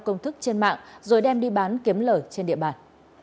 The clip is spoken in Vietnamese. công thức trên mạng rồi đem đi bán kiếm lời trên địa bàn